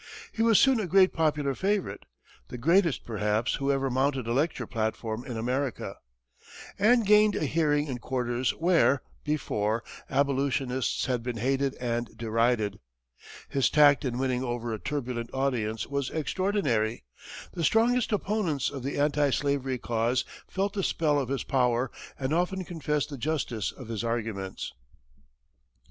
He was soon a great popular favorite the greatest, perhaps, who ever mounted a lecture platform in America, and gained a hearing in quarters where, before, abolitionists had been hated and derided. His tact in winning over a turbulent audience was extraordinary; the strongest opponents of the anti slavery cause felt the spell of his power, and often confessed the justice of his arguments.